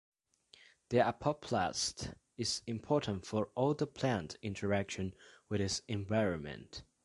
The apoplast is important for all the plant's interaction with its environment.